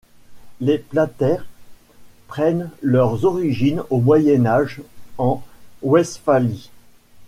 Les Plater prennent leur origine au Moyen Âge en Westphalie.